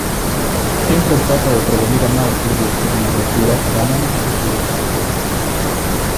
Siempre trata de prevenir a Murphy de hacer una locura, ganándose su desconfianza.